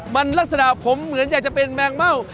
มันลักษณะผมเหมือนอยากจะเป็นแมงเม่า